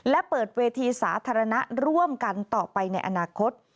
และเปิดเวทีสาธารณะร่วมกันต่อไปในอนาคต